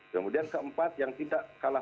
kemudian keempat yang tidak kalah